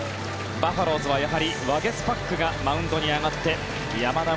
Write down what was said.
バファローズはやはりワゲスパックがマウンドに上がって山田、